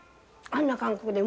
あんな感覚で。